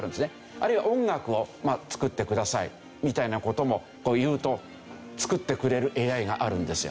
あるいは音楽を作ってくださいみたいな事も言うと作ってくれるＡＩがあるんですよ。